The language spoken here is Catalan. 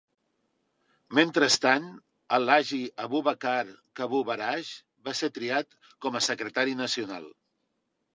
Mentrestant, Alhaji Abubakar Kawu Baraje va ser triat com a Secretari Nacional.